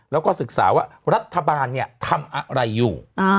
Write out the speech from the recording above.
แล้วก็ศึกษาว่ารัฐบาลทำอะไรอยู่